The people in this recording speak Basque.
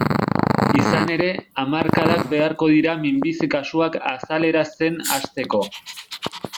Izan ere, hamarkadak beharko dira minbizi kasuak azaleratzen hasteko.